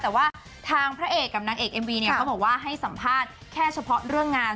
แต่ว่าทางพระเอกกับนางเอกเอ็มวีเนี่ยเขาบอกว่าให้สัมภาษณ์แค่เฉพาะเรื่องงาน